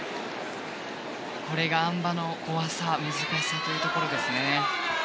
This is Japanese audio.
これがあん馬の怖さ難しさというところですね。